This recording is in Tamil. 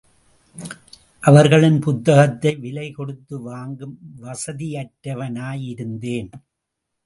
அவர்களின் புத்தகத்தை விலை கொடுத்து வாங்கும் வசதியற்றவனாயிருந்தேன்.